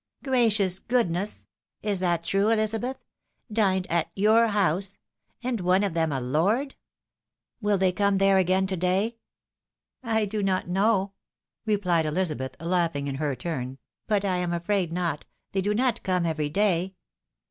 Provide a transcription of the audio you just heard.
" Gracious goodness ! Is that true, Elizabeth ? Dined at your house? — and one of them a lord ! WiU they come there again to day ?"" I do not know,'' replied Elizabeth, laughing in her turn ;" but I am afraid not, — ^they do not come every day."